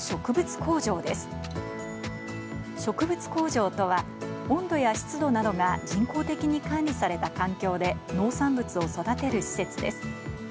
工場とは、温度や湿度などが人工的に管理された環境で農産物を育てる施設です。